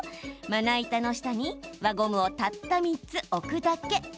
まな板の下に、輪ゴムをたった３つ置くだけ。